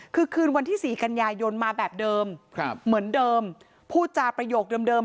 คือคืนวันที่สี่กัญญายนมาแบบเดิม